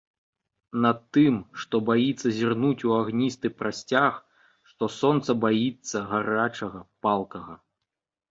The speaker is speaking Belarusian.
Над тым, што баіцца зірнуць у агністы прасцяг, што сонца баіцца гарачага, палкага.